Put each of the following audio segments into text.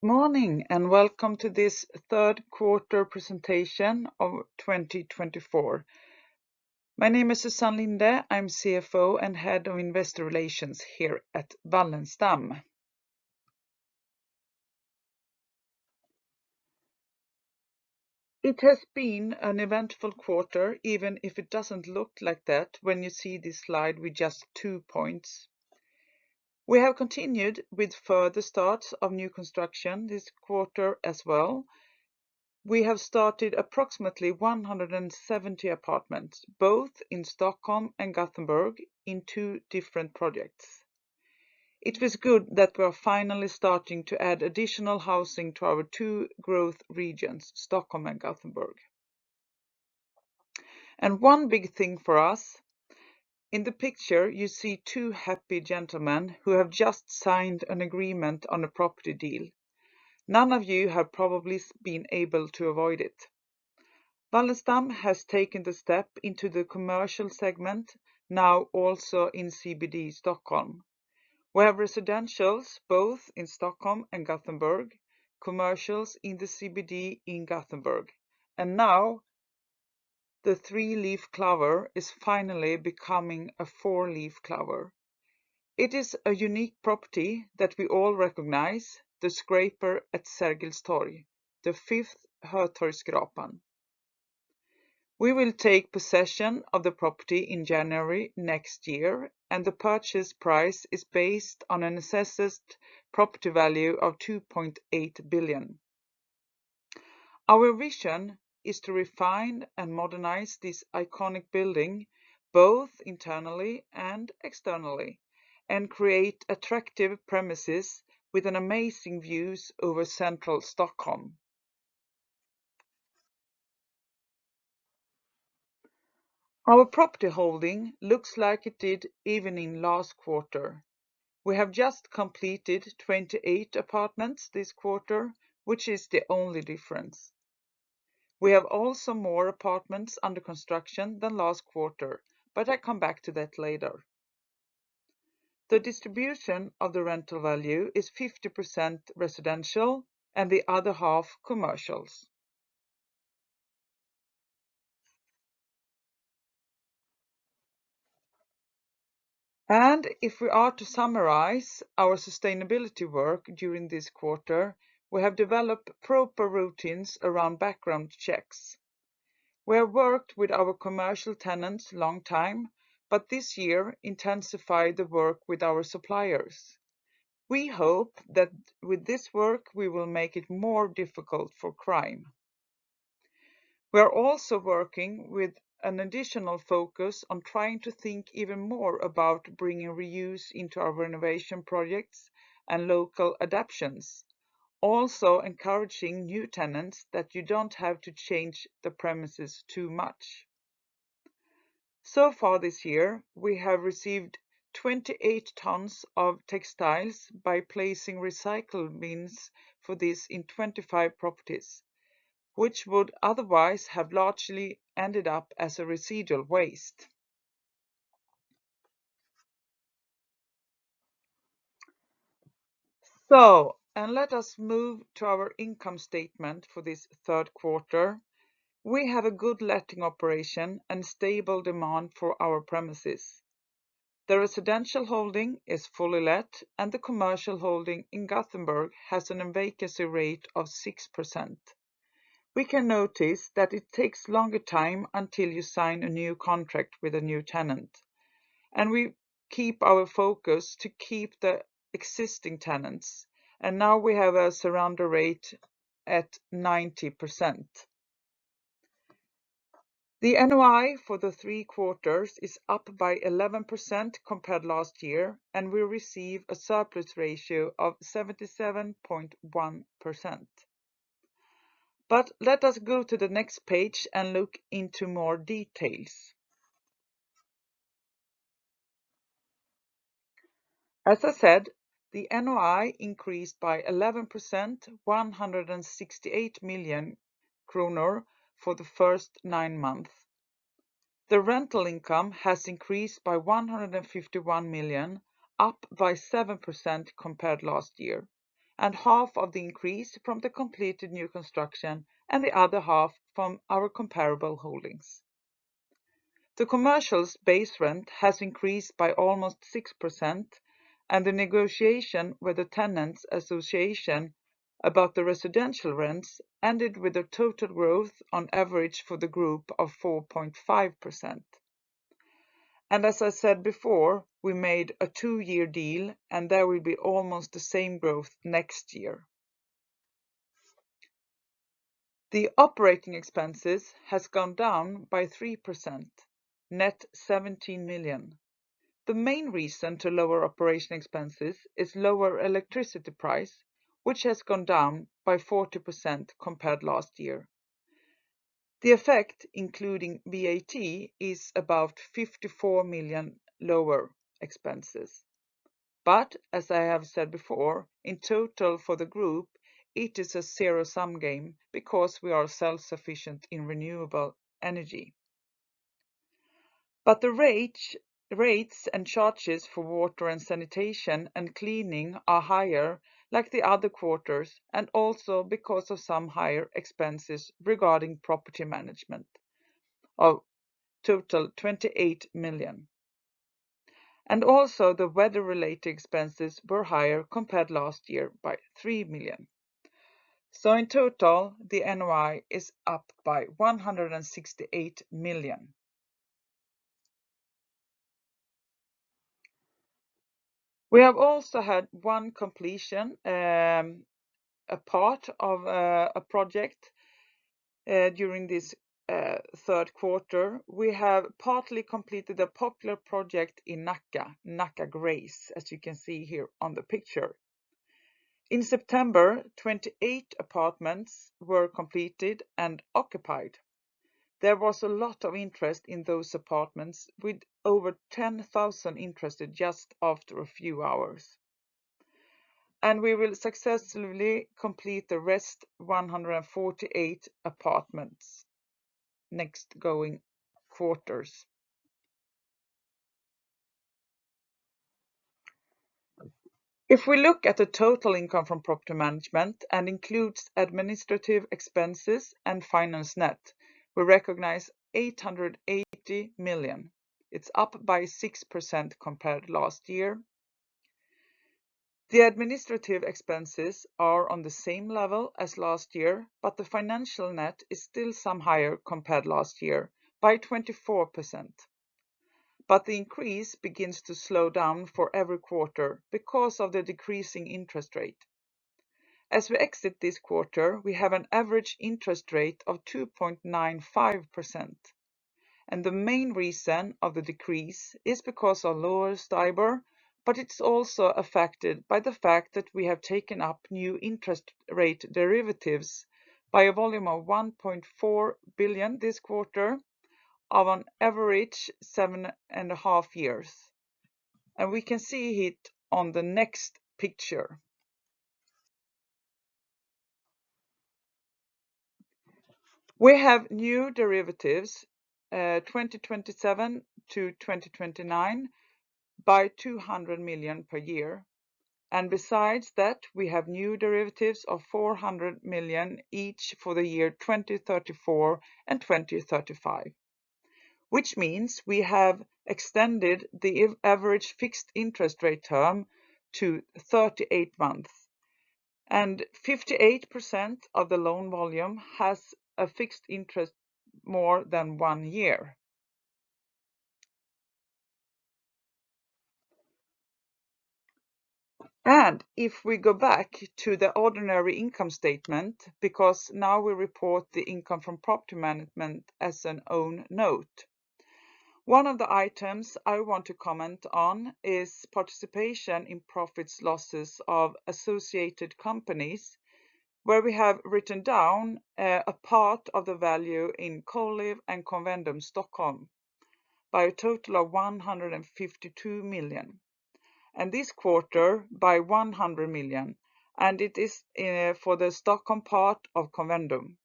Morning. Welcome to this third quarter presentation of 2024. My name is Susann Linde. I am CFO and Head of Investor Relations here at Wallenstam. It has been an eventful quarter, even if it doesn't look like that when you see this slide with just two points. We have continued with further starts of new construction this quarter as well. We have started approximately 170 apartments, both in Stockholm and Gothenburg in two different projects. It was good that we are finally starting to add additional housing to our two growth regions, Stockholm and Gothenburg. One big thing for us, in the picture you see two happy gentlemen who have just signed an agreement on a property deal. None of you have probably been able to avoid it. Wallenstam has taken the step into the commercial segment, now also in CBD Stockholm, where residentials both in Stockholm and Gothenburg, commercials in the CBD in Gothenburg. Now the three-leaf clover is finally becoming a four-leaf clover. It is a unique property that we all recognize, the scraper at Sergels Torg, the fifth Hötorgsskrapan. We will take possession of the property in January next year, and the purchase price is based on an assessed property value of 2.8 billion. Our vision is to refine and modernize this iconic building, both internally and externally, and create attractive premises with amazing views over central Stockholm. Our property holding looks like it did even in last quarter. We have just completed 28 apartments this quarter, which is the only difference. We have also more apartments under construction than last quarter, I come back to that later. The distribution of the rental value is 50% residential and the other half commercials. If we are to summarize our sustainability work during this quarter, we have developed proper routines around background checks. We have worked with our commercial tenants long time, but this year intensified the work with our suppliers. We hope that with this work, we will make it more difficult for crime. We are also working with an additional focus on trying to think even more about bringing reuse into our renovation projects and local adaptions. Also encouraging new tenants that you don't have to change the premises too much. So far this year, we have received 28 tons of textiles by placing recycle bins for these in 25 properties, which would otherwise have largely ended up as residual waste. Let us move to our income statement for this third quarter. We have a good letting operation and stable demand for our premises. The residential holding is fully let, and the commercial holding in Gothenburg has a vacancy rate of 6%. We can notice that it takes a longer time until you sign a new contract with a new tenant, and we keep our focus to keep the existing tenants. Now we have a retention rate at 90%. The NOI for the three quarters is up by 11% compared last year, and we receive a surplus ratio of 77.1%. Let us go to the next page and look into more details. As I said, the NOI increased by 11%, 168 million kronor for the first nine months. The rental income has increased by 151 million, up by 7% compared last year, and half of the increase from the completed new construction and the other half from our comparable holdings. The commercial space rent has increased by almost 6%, the negotiation with the tenants association about the residential rents ended with a total growth on average for the group of 4.5%. As I said before, we made a two-year deal, there will be almost the same growth next year. The operating expenses has gone down by 3%, net 17 million. The main reason to lower operating expenses is lower electricity price, which has gone down by 40% compared last year. The effect, including VAT, is about 54 million lower expenses. As I have said before, in total for the group, it is a zero-sum game because we are self-sufficient in renewable energy. The rates and charges for water and sanitation and cleaning are higher like the other quarters, also because of some higher expenses regarding property management of total 28 million. Also the weather-related expenses were higher compared last year by 3 million. In total, the NOI is up by 168 million. We have also had one completion, a part of a project during this third quarter. We have partly completed a popular project in Nacka Grace, as you can see here on the picture. In September, 28 apartments were completed and occupied. There was a lot of interest in those apartments, with over 10,000 interested just after a few hours. We will successfully complete the rest 148 apartments next going quarters. If we look at the total income from property management and includes administrative expenses and finance net, we recognize 880 million. It is up by 6% compared last year. The administrative expenses are on the same level as last year, the financial net is still some higher compared last year by 24%. The increase begins to slow down for every quarter because of the decreasing interest rate. As we exit this quarter, we have an average interest rate of 2.95%. The main reason of the decrease is because of lower STIBOR, it is also affected by the fact that we have taken up new interest rate derivatives by a volume of 1.4 billion this quarter of an average seven and a half years. We can see it on the next picture. We have new derivatives 2027 to 2029 by 200 million per year. Besides that, we have new derivatives of 400 million each for the year 2034 and 2035. Which means we have extended the average fixed interest rate term to 38 months, 58% of the loan volume has a fixed interest more than one year. If we go back to the ordinary income statement, because now we report the income from property management as an own note. One of the items I want to comment on is participation in profits, losses of associated companies, where we have written down a part of the value in Colive and Convendum Stockholm by a total of 152 million. This quarter by 100 million. It is for the Stockholm part of Convendum,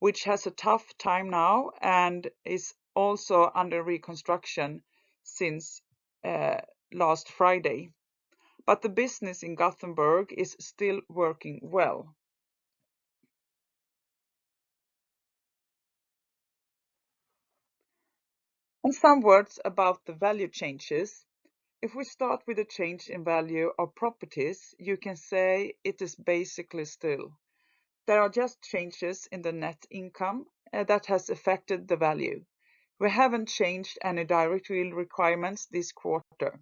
which has a tough time now and is also under reconstruction since last Friday. The business in Gothenburg is still working well. Some words about the value changes. If we start with a change in value of properties, you can say it is basically still. There are just changes in the net income that has affected the value. We haven't changed any direct yield requirements this quarter.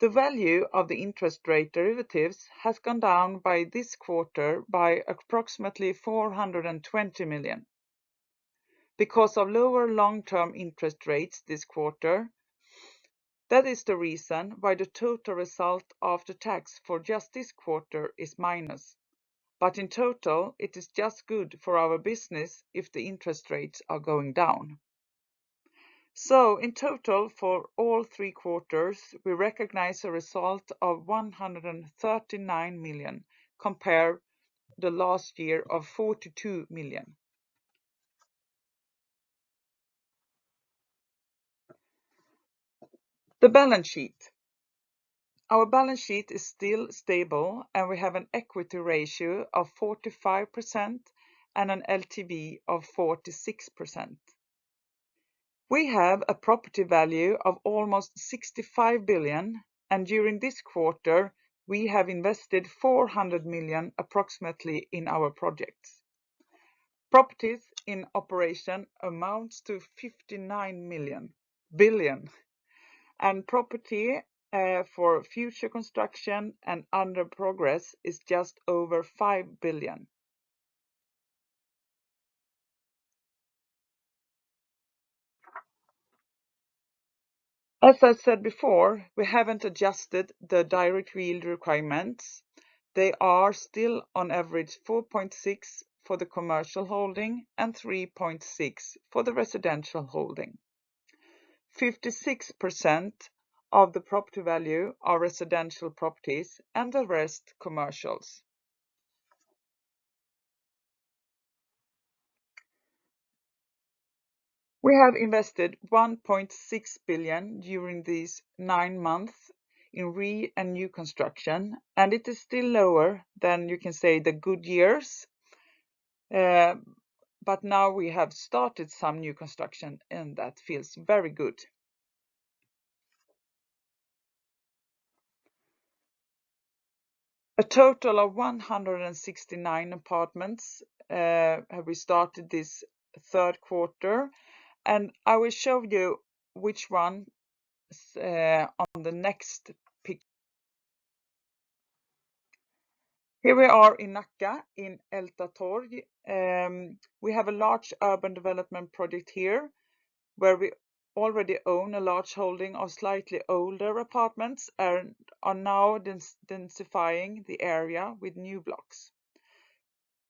The value of the interest rate derivatives has gone down by this quarter by approximately 420 million. Because of lower long-term interest rates this quarter, that is the reason why the total result of the tax for just this quarter is minus. In total, it is just good for our business if the interest rates are going down. In total, for all three quarters, we recognize a result of 139 million compare the last year of 42 million. The balance sheet. Our balance sheet is still stable, and we have an equity ratio of 45% and an LTV of 46%. We have a property value of almost 65 billion, and during this quarter, we have invested approximately 400 million in our projects. Properties in operation amounts to 59 billion. Property for future construction and under progress is just over 5 billion. As I said before, we haven't adjusted the direct yield requirements. They are still on average 4.6% for the commercial holding and 3.6% for the residential holding. 56% of the property value are residential properties and the rest commercials. We have invested 1.6 billion during these nine months in re and new construction, and it is still lower than you can say the good years. Now we have started some new construction, and that feels very good. A total of 169 apartments have we started this third quarter. I will show you which one on the next picture. Here we are in Nacka in Ältatorg. We have a large urban development project here, where we already own a large holding of slightly older apartments and are now densifying the area with new blocks.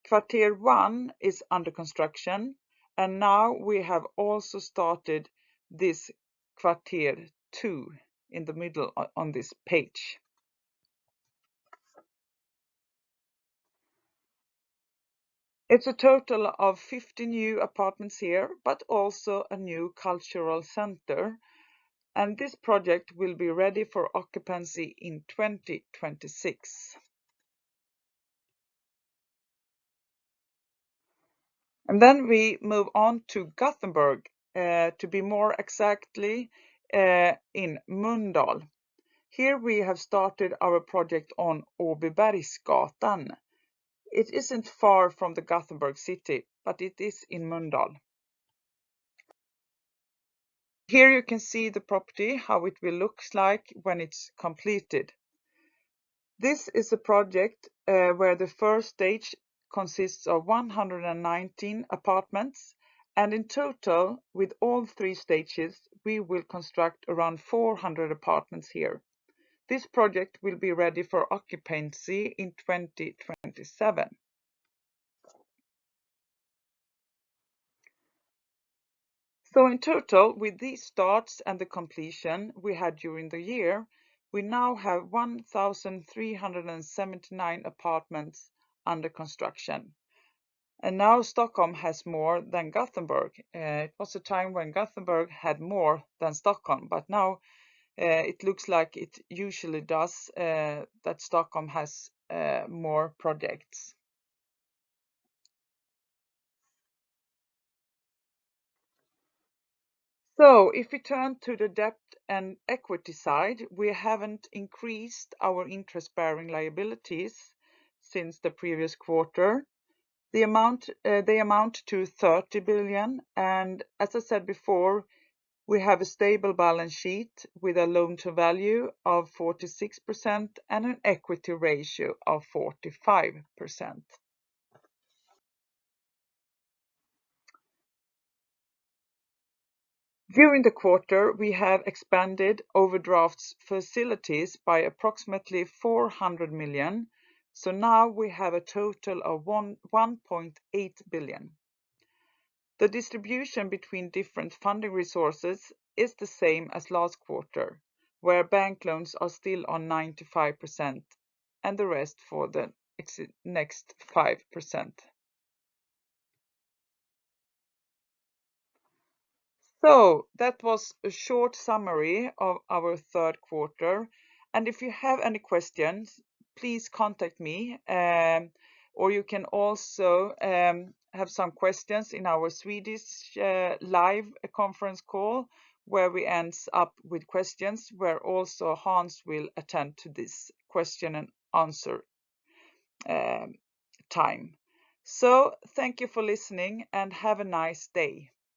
Kvarter 1 is under construction, now we have also started this Kvarter 2 in the middle on this page. It's a total of 50 new apartments here, but also a new cultural center, and this project will be ready for occupancy in 2026. Then we move on to Gothenburg, to be more exactly, in Mölndal. Here we have started our project on Åbybergsgatan. It isn't far from the Gothenburg city, but it is in Mölndal. Here you can see the property, how it will look like when it's completed. This is a project where the first stage consists of 119 apartments, and in total, with all 3 stages, we will construct around 400 apartments here. This project will be ready for occupancy in 2027. In total, with these starts and the completion we had during the year, we now have 1,379 apartments under construction. Now Stockholm has more than Gothenburg. It was a time when Gothenburg had more than Stockholm, now it looks like it usually does that Stockholm has more projects. If we turn to the debt and equity side, we haven't increased our interest-bearing liabilities since the previous quarter. They amount to 30 billion, and as I said before, we have a stable balance sheet with a loan to value of 46% and an equity ratio of 45%. During the quarter, we have expanded overdraft facilities by approximately 400 million, now we have a total of 1.8 billion. The distribution between different funding resources is the same as last quarter, where bank loans are still on 95% and the rest for the next 5%. That was a short summary of our third quarter. If you have any questions, please contact me, or you can also have some questions in our Swedish live conference call, where we end up with questions, where also Hans will attend to this question and answer time. Thank you for listening, and have a nice day.